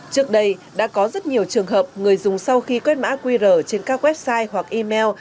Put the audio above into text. trước đây đã có rất nhiều trường hợp người dùng sau khi quét mã qr trên các website hoặc email